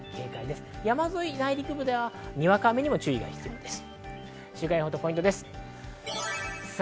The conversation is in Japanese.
山沿い、内陸部ではにわか雨にも注意が必要です。